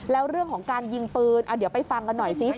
แล้วเรื่องของการยิงปืนเดี๋ยวไปฟังกันหน่อยสิ